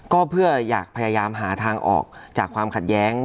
ก็เพื่ออยากพยายามหาทางออกจากความขัดแย้ง